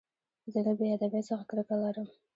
زه له بېادبۍ څخه کرکه لرم.